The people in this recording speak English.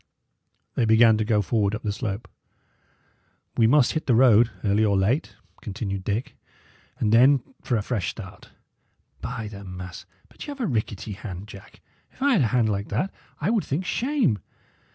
They began to go forward up the slope. "We must hit the road, early or late," continued Dick; "and then for a fresh start. By the mass! but y' 'ave a rickety hand, Jack. If I had a hand like that, I would think shame.